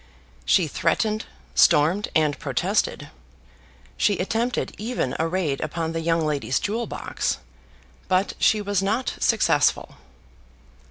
She threatened, stormed, and protested. She attempted even a raid upon the young lady's jewel box. But she was not successful.